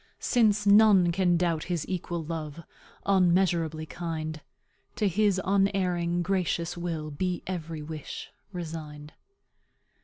"Since none can doubt his equal love, Unmeasurably kind, To his unerring, gracious will Be every wish, resigned.